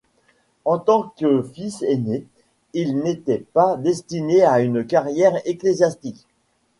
En tant que fils aîné, il n'était pas destiné à une carrière ecclésiastique.